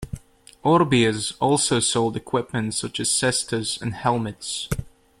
Orbea's also sold equipment such as cestas and helmets.